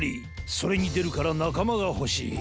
それにでるからなかまがほしい。